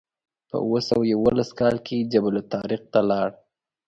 په اوه سوه یوولس کال کې جبل الطارق ته لاړ.